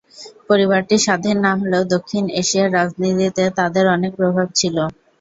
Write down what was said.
পরিবারটি স্বাধীন না হলেও দক্ষিণ এশিয়ার রাজনীতিতে তাদের অনেক প্রভাব ছিলো।